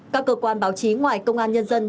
các cơ quan báo chí ngoài công an nhân dân